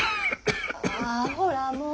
あぁほらもう。